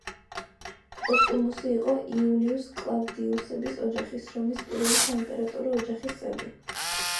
პოსტუმუსი იყო იულიუს-კლავდიუსების ოჯახის, რომის პირველი საიმპერატორო ოჯახის წევრი.